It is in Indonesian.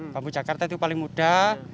bambu jakarta itu paling mudah